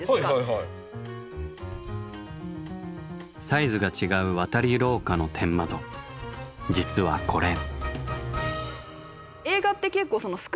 サイズが違う渡り廊下の天窓実はこれ。